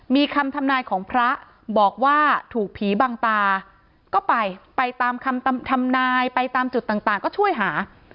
มีคำทำนายของพระบอกว่าถูกผีบังตาก็ไปไปตามคำทำนายไปตามจุดต่างก็ช่วยหา